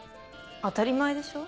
当たり前でしょ